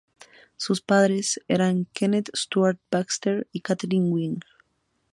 Sus padres eran Kenneth Stuart Baxter y Catherine Wright.